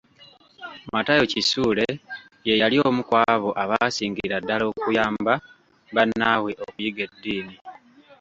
Matayo Kisule ye yali omu ku abo abaasingira ddala okuyamba bannaabwe okuyiga eddiini.